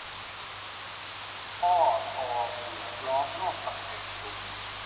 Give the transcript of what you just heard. ท่อทองเหลืองล้อมรอบกำแพงสูง